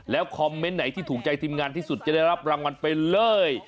แล้วคอมเมนต์ไหนที่ถูกใจทีมงานที่สุดจะได้รับรางวัลไปเลย